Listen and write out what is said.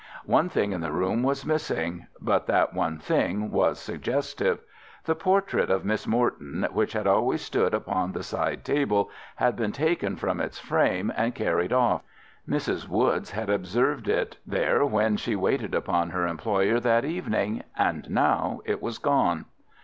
One thing in the room was missing—but that one thing was suggestive. The portrait of Miss Morton, which had always stood upon the side table, had been taken from its frame, and carried off. Mrs. Woods had observed it there when she waited upon her employer that evening, and now it was gone.